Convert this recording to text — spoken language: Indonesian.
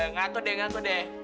ngaku deh ngaku deh